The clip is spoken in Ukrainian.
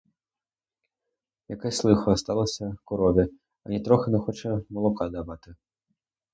Якесь лихо сталося корові, анітрохи не хоче молока давати!